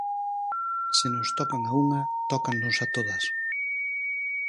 Se nos tocan a unha, tócannos a todas.